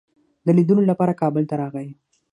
د لیدلو لپاره کابل ته راغی.